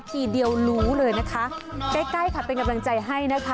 ทีเดียวรู้เลยนะคะใกล้ใกล้ค่ะเป็นกำลังใจให้นะคะ